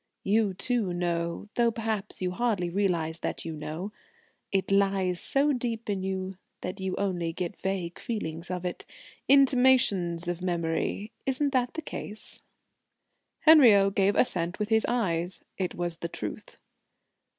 "You, too, know, though perhaps you hardly realise that you know. It lies so deep in you that you only get vague feelings of it intimations of memory. Isn't that the case?" Henriot gave assent with his eyes; it was the truth.